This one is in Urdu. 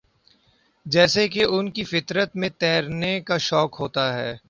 جیسے کہ ان کی فطر ت میں تیرنے کا شوق ہوتا ہے